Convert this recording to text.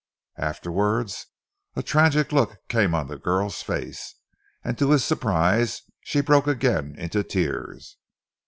"Afterwards!" A tragic look came on the girl's face, and to his surprise she broke again into tears.